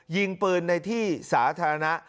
ยิงปืนในที่สาธารณะ